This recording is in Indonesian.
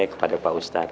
kepada pak ustadz